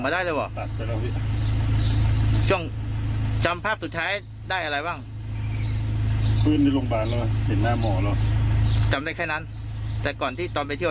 ไม่รู้ได้เลยวี๊ว